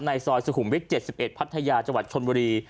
ในซอยสุขุมวิทย์เจ็ดสิบเอ็ดพัทยาจังหวัดชนวรี